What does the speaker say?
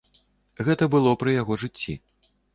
Гэта было пры яго жыцці.